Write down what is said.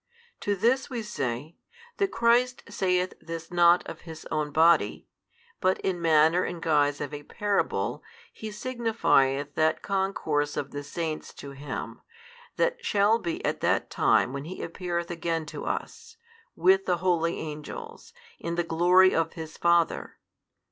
To this we say, that Christ saith this not of His Own Body, but in manner and guise of a parable He signifieth that concourse of the Saints to Him, that shall be at that time when He appeareth again to us, with the holy angels, in the glory of His Father.